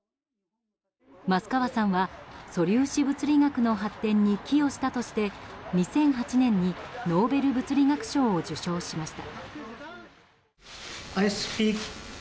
益川さんは素粒子物理学の発展に寄与したとして２００８年にノーベル物理学賞を受賞しました。